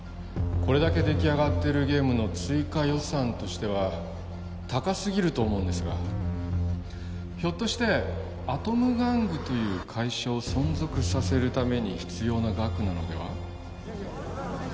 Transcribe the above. これだけできあがってるゲームの追加予算としては高すぎると思うんですがひょっとしてアトム玩具という会社を存続させるために必要な額なのでは？